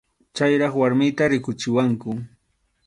Chayraq warmiyta rikuchiwanku.